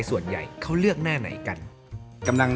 เธอก็ช่วยฉันเลือกดิตั้งหลายร้านน่ะ